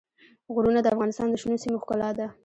غرونه د افغانستان د شنو سیمو ښکلا ده.